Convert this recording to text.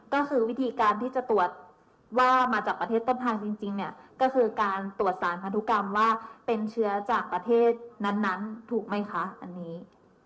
ก็คือวิธีการที่จะตรวจว่ามาจากประเทศต้นทางจริงเนี่ยก็คือการตรวจสารพันธุกรรมว่าเป็นเชื้อจากประเทศนั้นถูกไหมคะอันนี้